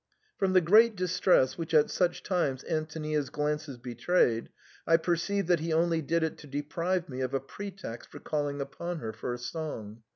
From the great distress which at such times Antonia's glances betrayed, I perceived that he only did it to deprive me of a pre text for calling upon her for a song.